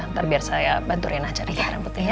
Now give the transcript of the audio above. ntar biar saya bantu rena cari rambutnya ya